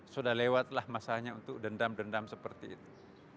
sudah lewatlah masanya untuk dendam dendam seperti itu